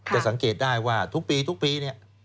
สังเกตได้ว่าทุกปีทุกปีเนี่ย